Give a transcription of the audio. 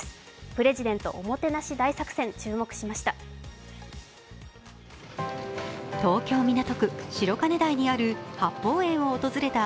プレジデントおもてなし大作戦、注目しました。